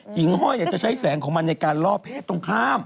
หญิงห้อยจะใช้แสงของมันในการล่อเพศตรงข้าม